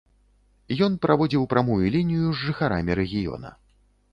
Ён праводзіў прамую лінію з жыхарамі рэгіёна.